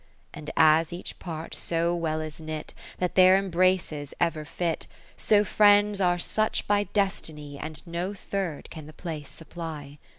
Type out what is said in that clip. XIV And as each part so well is knit, That their embraces ever fit : So friends are such by destiny. And no third can the place supply.